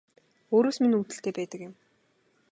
Өөрөөс минь үүдэлтэй байдаг юм